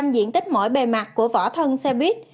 năm mươi diện tích mỗi bề mặt của vỏ thân xe buýt